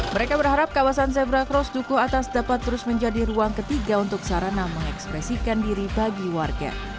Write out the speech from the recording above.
mereka berharap kawasan zebra cross duku atas dapat terus menjadi ruang ketiga untuk sarana mengekspresikan diri bagi warga